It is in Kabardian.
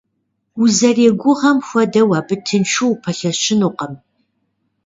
Узэригугъэм хуэдэу абы тыншу упэлъэщынукъым.